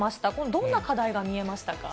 どんな課題が見えましたか。